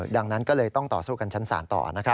ดังนั้นก็เลยต้องต่อสู้กันชั้นศาลต่อนะครับ